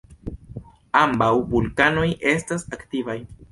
Ambaŭ vulkanoj estas aktivaj.